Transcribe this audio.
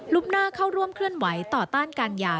หน้าเข้าร่วมเคลื่อนไหวต่อต้านการหย่า